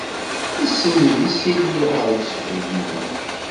Isenned isili ɣer ussefreg-nni.